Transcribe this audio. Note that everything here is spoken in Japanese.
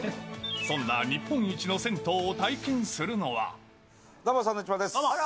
そんな日本一の銭湯を体験すどうも、サンドウィッチマンどうも。